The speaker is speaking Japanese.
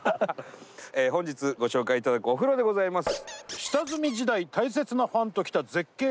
本日ご紹介頂くお風呂でございます。